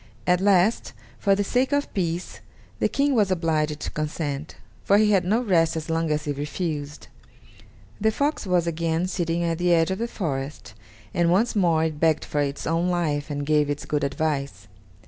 At last, for the sake of peace, the King was obliged to consent, for he had no rest as long as he refused. The fox was again sitting at the edge of the forest, and once more it begged for its own life and gave its good advice.